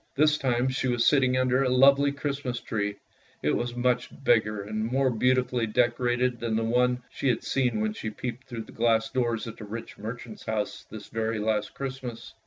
This time she was sitting under a lovely Christmas tree. It was much bigger and more beauti fully decorated than the one she had seen when she peeped through the glass doors at the rich merchant's house this very last Christmas.